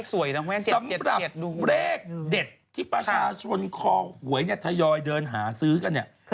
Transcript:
สำหรับเลขเด็ดที่ประชาชนคอหวยทยอยเดินหาซื้อกัน